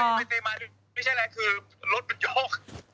ไม่ใช่แล้วรถมันโย๊ค